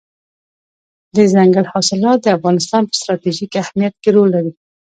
دځنګل حاصلات د افغانستان په ستراتیژیک اهمیت کې رول لري.